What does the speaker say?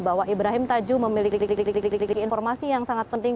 bahwa ibrahim tajuh memiliki informasi yang sangat penting